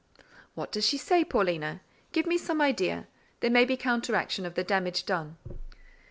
"What does she say, Paulina? Give me some idea. There may be counteraction of the damage done."